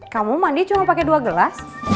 kamu mandi cuma pakai dua gelas